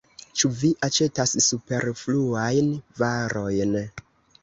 Ĉu vi aĉetas superfluajn varojn?